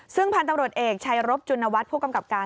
ซึ่งพันธุ์ตำรวจเอกชัยรบจุณวัฒน์ผู้กำกับการ